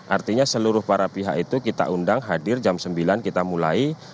artinya seluruh para pihak itu kita undang hadir jam sembilan kita mulai